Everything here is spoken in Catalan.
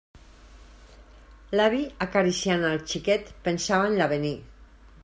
L'avi, acariciant el xiquet, pensava en l'avenir.